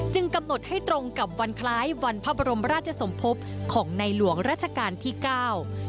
กำหนดให้ตรงกับวันคล้ายวันพระบรมราชสมภพของในหลวงราชการที่เก้า